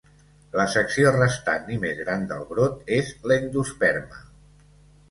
La secció restant i més gran del brot és l"endosperma.